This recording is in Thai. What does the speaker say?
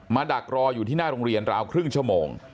ดักรออยู่ที่หน้าโรงเรียนราวครึ่งชั่วโมง